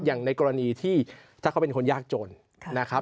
อย่างในกรณีที่ถ้าเขาเป็นคนยากจนนะครับ